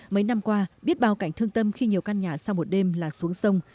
mấy năm qua biết bao cảnh thương tâm khi nhiều căn nhà sau một đêm là xuống sông